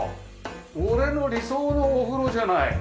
俺の理想のお風呂じゃない。